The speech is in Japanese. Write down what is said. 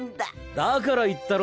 だから言ったろ？